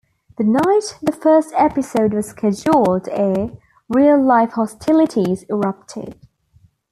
The night the first episode was scheduled to air, real-life hostilities erupted.